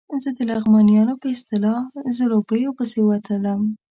زه د لغمانیانو په اصطلاح ځلوبیو پسې وتلم.